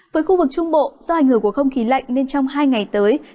với khu vực trung bộ do ảnh hưởng của không khí lạnh nên trong hai ngày tới